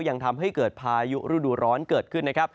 ก็ยังทำให้เกิดพายุรูดูร้อนเกิดขึ้น